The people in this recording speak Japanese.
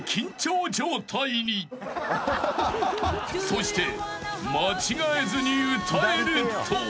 ［そして間違えずに歌えると］